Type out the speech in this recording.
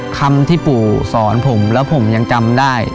คำที่ปู่สอนผมแล้วผมยังจำได้